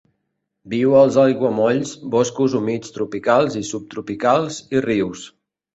Viu als aiguamolls, boscos humits tropicals i subtropicals, i rius.